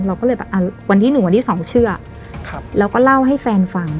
เราก็เลยแบบวันที่๑วันที่สองเชื่อแล้วก็เล่าให้แฟนฟัง